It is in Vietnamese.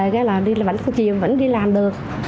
vậy là vẫn có chiều vẫn đi làm được